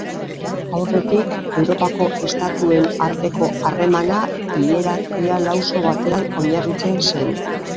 Aurretik, Europako estatuen arteko harremana hierarkia lauso batean oinarritzen zen.